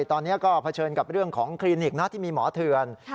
ตอนนี้ก็เผชิญกับเรื่องของคลินิกนะที่มีหมอเถื่อน